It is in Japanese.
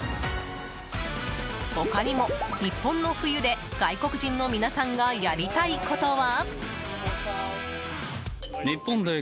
他にも日本の冬で外国人の皆さんがやりたいことは？